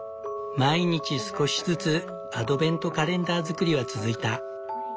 毎日少しずつアドベントカレンダー作りは続いた。